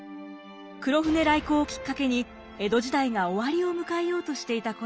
黒船来航をきっかけに江戸時代が終わりを迎えようとしていた頃です。